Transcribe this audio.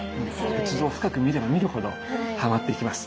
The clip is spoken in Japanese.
仏像を深く見れば見るほどはまっていきます。